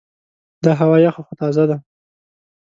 دا هوا یخه خو تازه ده.